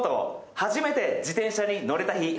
初めて自転車に乗れた日。